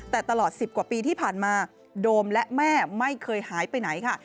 แต่ตลอด๑๐กว่าปีที่ผ่านมาโดมและแม่ไม่เคยหายไปไหนค่ะ